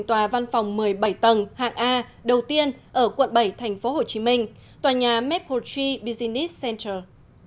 tòa văn phòng một mươi bảy tầng hạng a đầu tiên ở quận bảy tp hcm tòa nhà maphotry business center